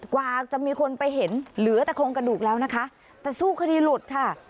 กว่าจะมีคนไปเห็นเหลือแต่โครงกระดูกแล้วนะคะแต่สู้คดีหลุดค่ะ